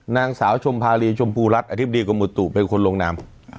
นางสาวชมพารีชมภูรัฐอธิบดีกว่าหมุตุเป็นคนลงน้ำ